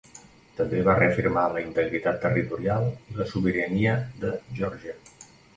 També va reafirmar la integritat territorial i la sobirania de Geòrgia.